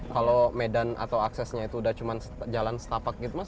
kalau medan atau aksesnya itu udah cuma jalan setapak gitu mas